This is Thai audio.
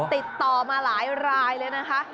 ติดต่อมาหลายรายเลยนะคะ